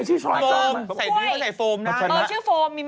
ชื่อโฟมมีไหม